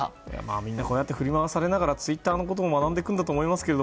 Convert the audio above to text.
みんなこうやって振り回されながらツイッターのことを学んでいくんだと思いますが。